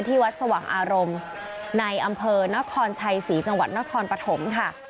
วัดสว่างอารมณ์ในอำเภอนครชัยศรีจังหวัดนครปฐมค่ะ